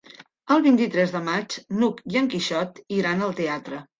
El vint-i-tres de maig n'Hug i en Quixot iran al teatre.